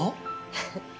フフッ。